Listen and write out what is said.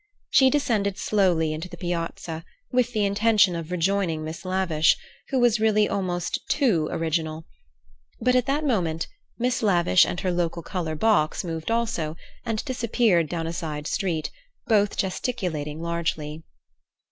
She descended slowly into the Piazza with the intention of rejoining Miss Lavish, who was really almost too original. But at that moment Miss Lavish and her local colour box moved also, and disappeared down a side street, both gesticulating largely.